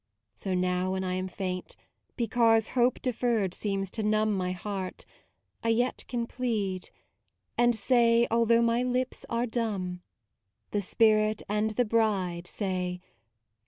So now when I am faint, because Hope deferred seems to numb My heart, I yet can plead; and say Although my lips are dumb: " The Spirit and the Bride say, Come."